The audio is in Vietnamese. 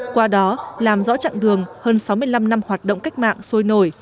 qua đó làm rõ chặng đường hơn sáu mươi năm năm hoạt động cách mạng sôi nổi